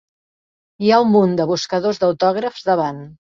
Hi ha un munt de buscadors d'autògrafs davant.